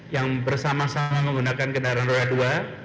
yang bersama sama menggunakan kendaraan roda dua